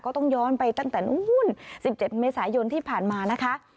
ต้องย้อนไปตั้งแต่นู้น๑๗เมษายนที่ผ่านมานะคะ